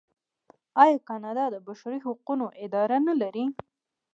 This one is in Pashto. آیا کاناډا د بشري حقونو اداره نلري؟